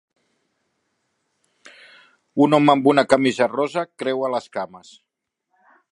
Un home amb una camisa rosa creua les cames.